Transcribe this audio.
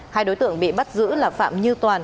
hai đối tượng bị bắt giữ là phạm như toàn